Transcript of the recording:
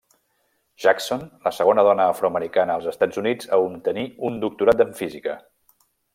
Jackson, la segona dona afroamericana als Estats Units a obtenir un doctorat en física.